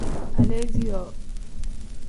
Aleesiyoo.